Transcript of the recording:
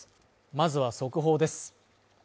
まずは速報です。